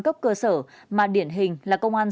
cấp cơ sở mà điển hình là công an